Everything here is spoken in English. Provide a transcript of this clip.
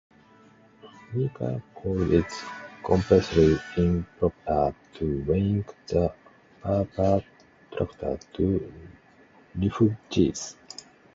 Reker called it "completely improper" to link the perpetrators to refugees.